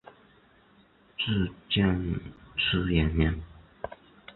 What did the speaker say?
至建初元年。